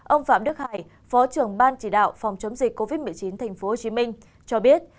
ông phạm đức hải phó trưởng ban chỉ đạo phòng chống dịch covid một mươi chín tp hcm cho biết